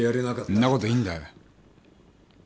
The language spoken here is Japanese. そんなこといいんだよ！